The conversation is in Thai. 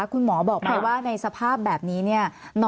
คุณหมอบอกพูดว่าในสภาพแบบนี้